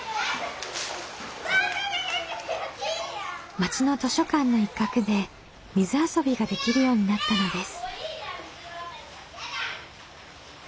町の図書館の一角で水遊びができるようになったのです。